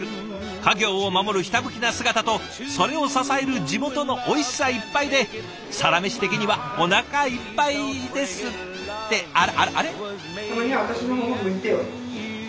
家業を守るひたむきな姿とそれを支える地元のおいしさいっぱいで「サラメシ」的にはおなかいっぱいですってあれ？